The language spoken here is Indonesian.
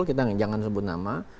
kita jangan sebut nama